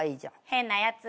変なやつ。